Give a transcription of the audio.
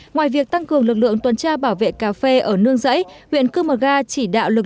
ngoài việc tăng cường lực lượng tuần tra bảo vệ cà phê ở nương giấy huyện cư mờ ga chỉ đạo lực lượng